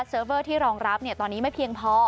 เบอร์ที่รองรับตอนนี้ไม่เพียงพอ